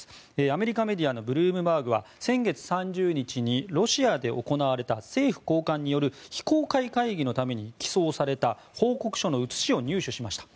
アメリカメディアのブルームバーグは先月３０日にロシアで行われた政府高官による非公開会議のために起草された報告書の写しを入手しました。